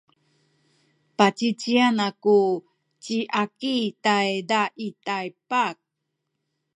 pacicien aku ci Aki tayza i Taypak.